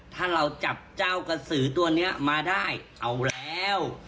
ถ้าเราจับเจ้ากระสือตัวนี้มาได้เอาแล้ว